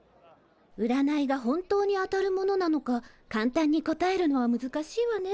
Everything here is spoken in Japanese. うらないが本当に当たるものなのか簡単に答えるのは難しいわね。